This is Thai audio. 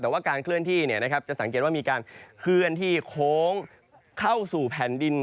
แต่ว่าการเคลื่อนที่จะสังเกตว่ามีการเคลื่อนที่โค้งเข้าสู่แผ่นดิน